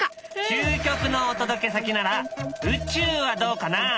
究極のお届け先なら宇宙はどうかな？